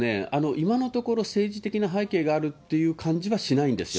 今のところ、政治的な背景があるという感じはしないんですよ。